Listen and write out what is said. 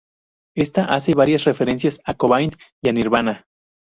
Ésta hace varias referencias a Cobain y a Nirvana.